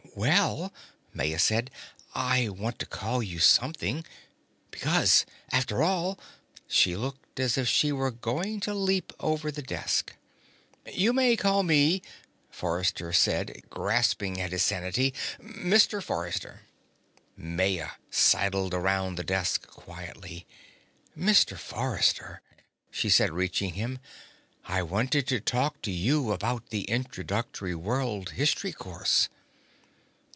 "Well," Maya said, "I want to call you something. Because after all " She looked as if she were going to leap over the desk. "You may call me," Forrester said, grasping at his sanity, "Mr. Forrester." Maya sidled around the desk quietly. "Mr. Forrester," she said, reaching for him, "I wanted to talk to you about the Introductory World History course."